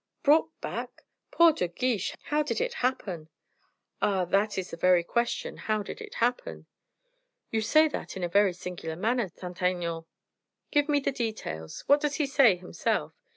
"Brought back! Poor De Guiche; and how did it happen?" "Ah! that is the very question, how did it happen?" "You say that in a very singular manner, Saint Aignan. Give me the details. What does he say himself?"